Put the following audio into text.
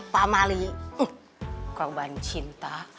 pamali korban cinta